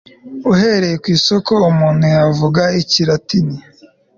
Uhereye ku isoko umuntu yavuga Ikilatini